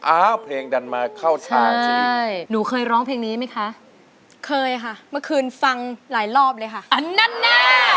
อ้าเพลงกันมีเข้าทางจริงใช่